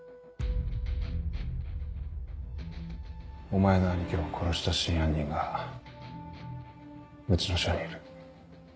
お前の兄貴を殺した真犯人がうちの署にいる。